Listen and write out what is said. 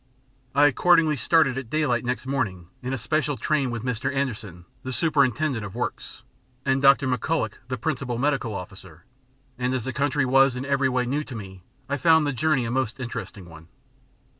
I accordingly started at daylight next morning in a special train with Mr. Anderson, the Superintendent of Works, and Dr. McCulloch, the principal Medical Officer; and as the country was in every way new to me, I found the journey a most interesting one.